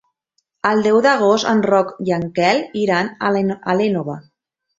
El deu d'agost en Roc i en Quel iran a l'Énova.